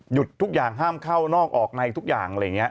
ทุกอย่างห้ามเข้านอกออกในทุกอย่างอะไรอย่างนี้